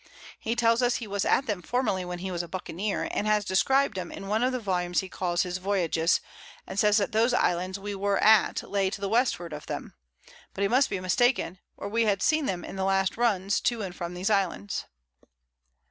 He tells us he was at them formerly when he was a Buccaneer, and has describ'd 'em in one of the Volumes he calls his Voyages, and says that those Islands we were at lay to the Westward of them; but he must be mistaken, or we had seen them in the last Runs to and from these Islands.